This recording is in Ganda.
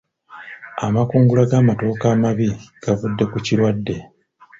Amakungula g'amatooke amabi gavudde ku kirwadde.